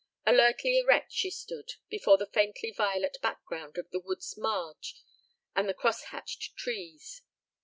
Alertly erect she stood, before the faintly violet background of the wood's marge and the crosshatched trees.